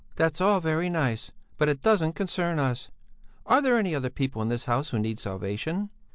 "That's all very nice, but it doesn't concern us.... Are there any other people in this house who need salvation?"